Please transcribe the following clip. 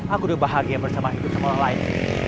aku sudah bahagia bersama sama dengan semua orang lain